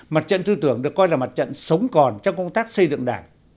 mặt trận tư tưởng được coi là mặt trận sống còn trong công tác xây dựng đảng